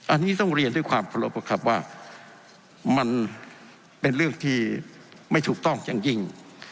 อันนี้ต้องเรียนด้วยความเคารพครับว่ามันเป็นเรื่องที่ไม่ถูกต้องอย่างยิ่ง